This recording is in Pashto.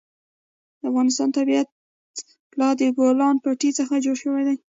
د افغانستان طبیعت له د بولان پټي څخه جوړ شوی دی.